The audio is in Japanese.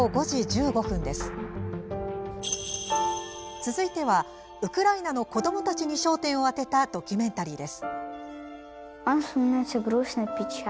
続いては、ウクライナの子どもたちに焦点を当てたドキュメンタリーです。